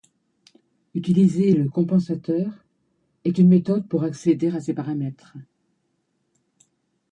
Utiliser le compensateur est une méthode pour accéder à ces paramètres.